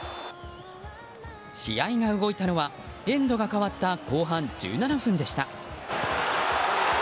試合が動いたのはエンドが変わった後半１７分でした。